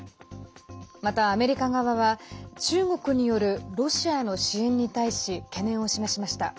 またアメリカ側は中国によるロシアへの支援に対し懸念を示しました。